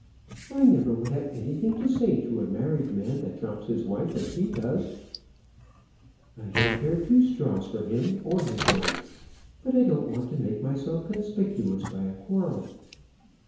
"I never would have anything to say to a married man that drops his wife as he does." "I don't care two straws for him, or his wife. But I don't want to make myself conspicuous by a quarrel."